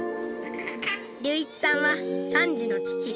隆一さんは３児の父。